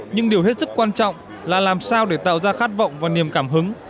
nhưng điều hết sức quan trọng là làm sao để tạo ra khát vọng và niềm cảm hứng